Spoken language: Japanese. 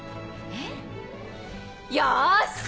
えっ！よし！